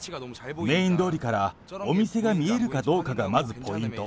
メイン通りからお店が見えるかどうかがまずポイント。